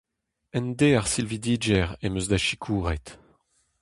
En deiz ar silvidigezh em eus da sikouret.